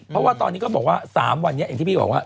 เพราะว่าตอนนี้ก็บอกว่า๓วันนี้อย่างที่พี่บอกว่า